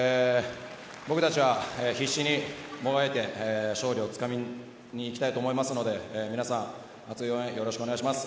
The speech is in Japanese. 僕たちは必死にもがいて勝利をつかみにいきたいと思いますので皆さん、熱い応援よろしくお願いします。